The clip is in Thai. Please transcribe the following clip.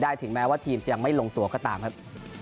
ถึงแม้ว่าทีมจะยังไม่ลงตัวก็ตามครับ